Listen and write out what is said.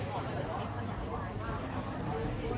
อยากให้คุณบอกเลยว่ามีคนอยากได้รับสิทธิ์